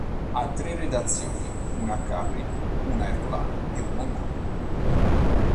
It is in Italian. Ha tre redazioni: una a Capri, una ad Ercolano e una a Napoli.